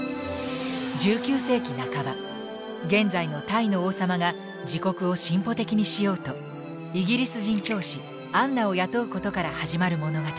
１９世紀半ば現在のタイの王様が自国を進歩的にしようとイギリス人教師アンナを雇うことから始まる物語。